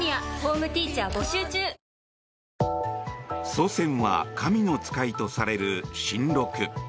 祖先は神の使いとされる神鹿。